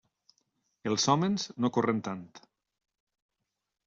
Els hòmens no corren tant.